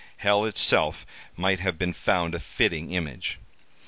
Hell itself might have been found a fitting image.